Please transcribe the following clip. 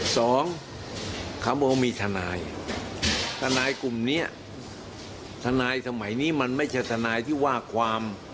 สองเขาบอกว่ามีทนายทนายกลุ่มเนี้ยทนายสมัยนี้มันไม่ใช่ทนายที่ว่าความ